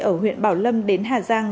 ở huyện bảo lâm đến hà giang